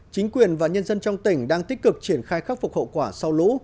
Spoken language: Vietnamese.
chính quyền và nhân dân trong tỉnh đang tích cực triển khai khắc phục hậu quả sau lũ